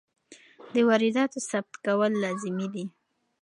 د وارداتو ثبت کول لازمي دي.